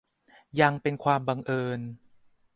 ยันเป็นความบังเอิญ